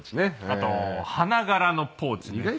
あと花柄のポーチね。